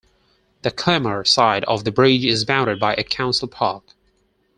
The Chelmer side of the bridge is bounded by a council park.